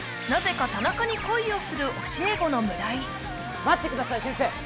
なぜか田中に恋をする教え子の村井待ってください先生